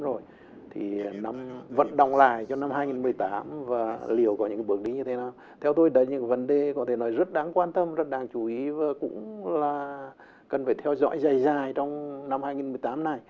rồi thì nó vận động lại cho năm hai nghìn một mươi tám và liệu có những bước đi như thế nào theo tôi là những vấn đề có thể nói rất đáng quan tâm rất đáng chú ý và cũng là cần phải theo dõi dài dài trong năm hai nghìn một mươi tám này